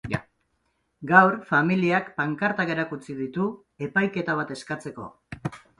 Gaur, familiak pankartak erakutsi ditu, epaiketa bat eskatzeko.